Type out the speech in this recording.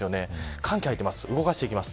寒気が入っています。